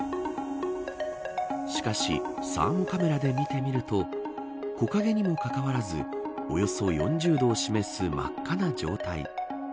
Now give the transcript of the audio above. しかし、サーモカメラで見てみると木陰にもかかわらずおよそ４０度を示す真っ赤な状態。